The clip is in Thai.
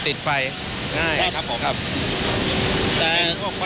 สถานการณ์ข้อมูล